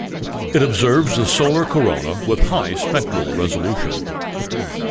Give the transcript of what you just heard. It observes the solar corona with high spectral resolution.